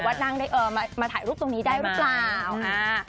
นั่งได้เออมาถ่ายรูปตรงนี้ได้หรือเปล่าอ่า